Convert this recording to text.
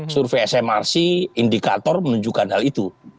survei smrc indikator menunjukkan hal itu